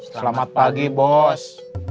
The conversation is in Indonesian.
selamat pagi bos